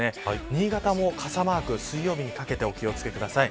新潟も傘マーク、水曜日にかけてお気を付けください。